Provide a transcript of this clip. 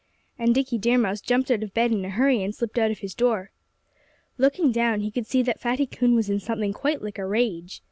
And Dickie Deer Mouse jumped out of bed in a hurry and slipped out of his door. Looking down, he could see that Fatty Coon was in something quite like a rage.